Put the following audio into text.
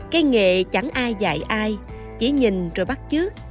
cái nghệ chẳng ai dạy ai chỉ nhìn rồi bắt chước